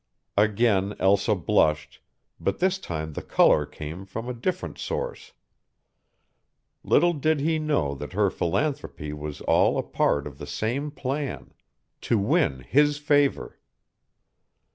Again Elsa blushed, but this time the color came from a different source. Little did he know that her philanthropy was all a part of the same plan to win his favor.